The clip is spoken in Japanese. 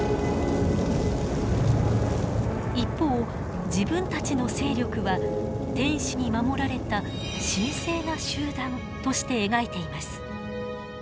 一方自分たちの勢力は天使に守られた神聖な集団として描いています。